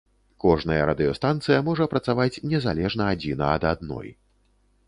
Кожная радыёстанцыя можа працаваць незалежна адзіна ад адной.